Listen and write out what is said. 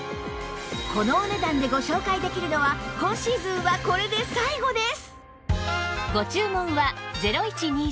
このお値段でご紹介できるのは今シーズンはこれで最後です！